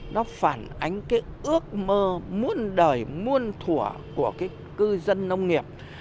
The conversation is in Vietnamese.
nó phản ánh cái ước mơ muôn đời muôn thủa của cái cư dân nông nghiệp